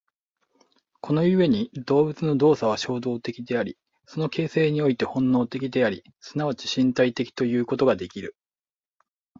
この故に動物の動作は衝動的であり、その形成において本能的であり、即ち身体的ということができる。